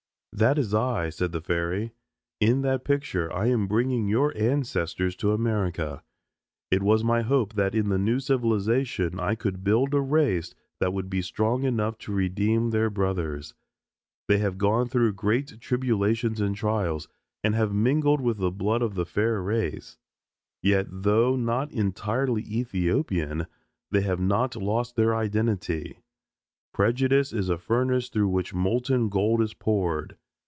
"That is I," said the fairy. "In that picture I am bringing your ancestors to America. It was my hope that in the new civilization I could build a race that would be strong enough to redeem their brothers. They have gone through great tribulations and trials, and have mingled with the blood of the fairer race; yet though not entirely Ethiopian they have not lost their identity. Prejudice is a furnace through which molten gold is poured.